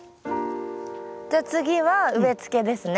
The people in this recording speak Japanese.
じゃあ次は植えつけですね。